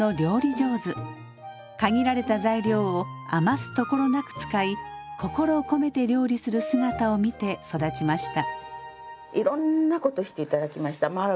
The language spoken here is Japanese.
限られた材料を余すところなく使い心を込めて料理する姿を見て育ちました。